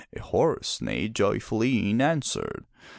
A horse neighed joyfully in answer.